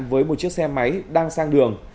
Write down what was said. với một chiếc xe máy đang sang đường